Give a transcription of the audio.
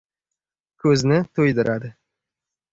Ko‘zni to‘ydiradi.